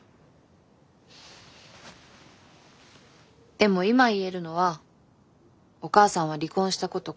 でも今言えるのはお母さんは離婚したこと後悔してない。